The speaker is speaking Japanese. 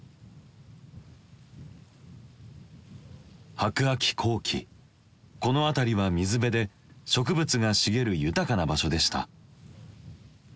白亜紀後期この辺りは水辺で植物が茂る豊かな場所でした。